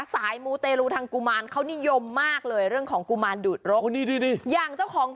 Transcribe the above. มูเตรลูทางกุมารเขานิยมมากเลยเรื่องของกุมารดูดรก